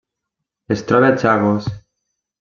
Es troba a Chagos.